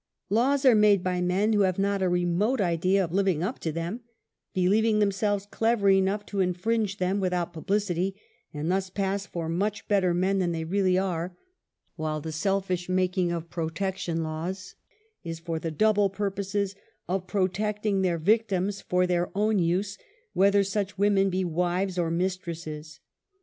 Laws are made by men who have not a remote idea of liv ing up to them, believing themselves clever enough to infringe them without publicity, and thus pass :for much better men than they really are, while the selfish making of protection laws is for the double purpose of protecting their victims for their own use, whether such women be wives or mistresses.